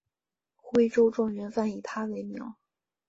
徽州状元饭以他为名。